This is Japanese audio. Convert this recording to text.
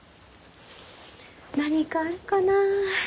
何かあるかな？